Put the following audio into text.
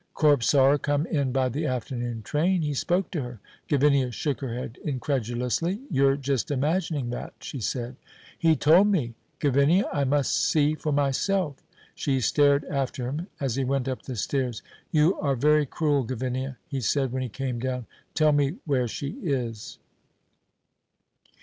"Corp saw her come in by the afternoon train. He spoke to her." Gavinia shook her head incredulously. "You're just imagining that," she said. "He told me. Gavinia, I must see for myself," She stared after him as he went up the stairs. "You are very cruel, Gavinia," he said, when he came down. "Tell me where she is."